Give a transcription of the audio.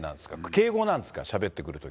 敬語なんですか、しゃべってくるとき。